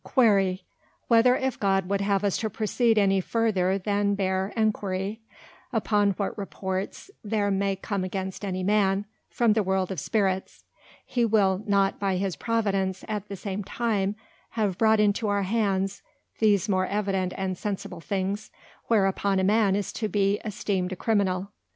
Quære, Whether if God would have us to proceed any further than bare Enquiry, upon what Reports there may come against any Man, from the World of Spirits, he will not by his Providence at the same time have brought into our hands, these more evident and sensible things, whereupon a man is to be esteemed a Criminal.